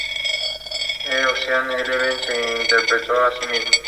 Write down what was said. En "Ocean's eleven" se interpretó a sí mismo.